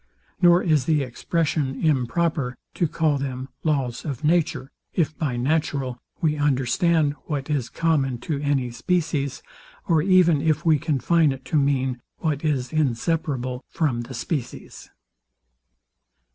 Nor is the expression improper to call them Laws of Nature; if by natural we understand what is common to any species, or even if we confine it to mean what is inseparable from the species.